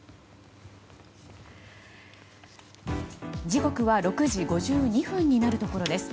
時刻は６時５２分になるところです。